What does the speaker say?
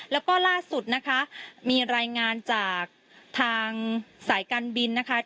แล้วก็ล่าสุดนะคะมีรายงานจากทางสายการบินนะคะ